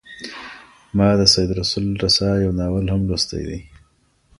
ما د سید رسول رسا یو ناول هم لوستی دی.